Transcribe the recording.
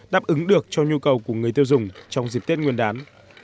đáp ứng được cho nhu cầu của người tiêu dùng trong dịp tết nguyên đán